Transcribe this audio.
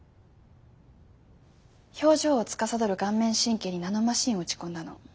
表情をつかさどる顔面神経にナノマシンを打ち込んだの。